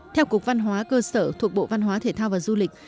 theo cục văn hóa cơ sở thuộc bộ văn hóa thể thao và du lịch